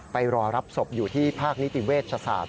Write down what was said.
ไปรอรับศพอยู่ที่ภาคนิติเวชศาสตร์